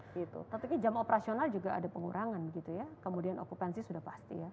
tapi jam operasional juga ada pengurangan gitu ya kemudian okupansi sudah pasti ya